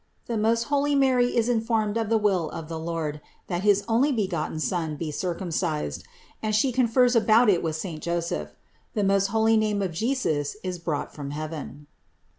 THE MOST HOLY MARY IS INFORMED OF THE WILL OF THE LORD, THAT HIS ONLYBEGOTTEN SON BE CIRCUMCISED, AND SHE CONFERS ABOUT IT WITH SAINT JOSEPH I THE MOST HOLY NAME OF JESUS IS BROUGHT FROM HEAVEN.